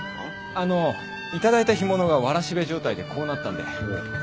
あの頂いた干物がわらしべ状態でこうなったんでお裾分けに。